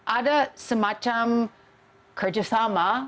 ada semacam kerjasama